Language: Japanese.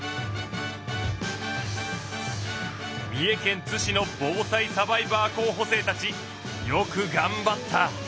三重県津市の防災サバイバー候補生たちよくがんばった！